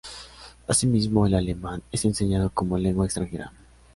Asimismo, el alemán, es enseñado como lengua extranjera.